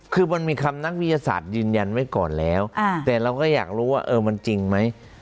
คือมันมีคำนักวิทยาศาสตร์ยืนยันไว้ก่อนแล้วแต่เราก็อยากรู้ว่าเออมันจริงไหม